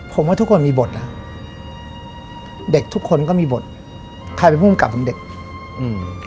ผมว่าทุกคนมีบทนะเด็กทุกคนก็มีบทใครเป็นผู้กำกับของเด็กอืม